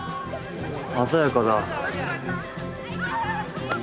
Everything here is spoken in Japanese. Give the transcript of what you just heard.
鮮やかだ。